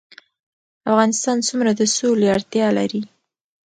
افغانستان څومره د سولې اړتیا لري؟